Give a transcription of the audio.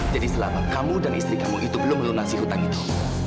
jadi selama kamu dan istri kamu itu belum melunasi hutang itu